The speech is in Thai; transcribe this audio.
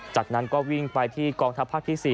จากนั้นก็วิ่งไปที่กองทัพภาคที่๔